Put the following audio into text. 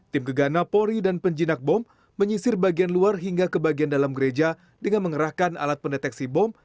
tim gegana pori dan penjinak bom menyisir bagian luar hingga ke bagian dalam gereja dengan mengerahkan alat pendeteksi bom